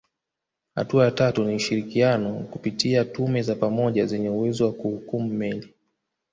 Hatua ya tatu ni ushirikiano kupitia tume za pamoja zenye uwezo wa kuhukumu meli